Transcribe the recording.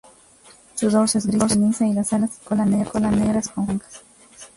Su dorso es gris ceniza y las alas y cola negras con franjas blancas.